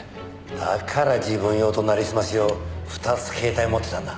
だから自分用と成りすまし用２つ携帯持ってたんだ。